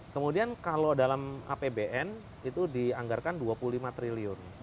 kemudian kalau dalam apbn itu dianggarkan dua puluh lima triliun